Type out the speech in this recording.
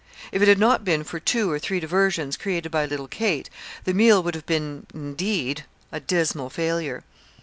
If it had not been for two or three diversions created by little Kate, the meal would have been, indeed, a dismal failure.